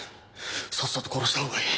さっさと殺した方がいい。